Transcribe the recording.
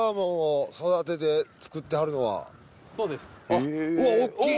あっうわ大っきい！